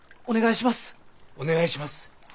お願いします。